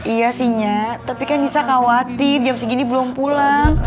iya sinyal tapi kan nisa khawatir jam segini belum pulang